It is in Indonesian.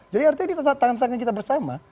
jadi artinya ini tantangan kita bersama